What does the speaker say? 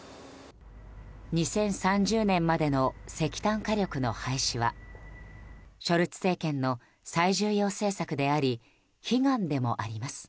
２０３０年までの石炭火力の廃止はショルツ政権の最重要政策であり悲願でもあります。